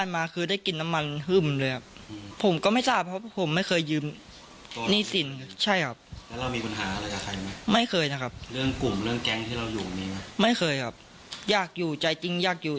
ไม่เคยนะครับอยากอยู่ใจจริงอยากอยู่